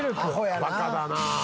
バカだなあ。